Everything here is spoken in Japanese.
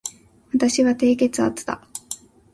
私は低血圧だ